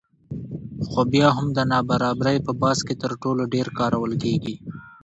خو بیا هم د نابرابرۍ په بحث کې تر ټولو ډېر کارول کېږي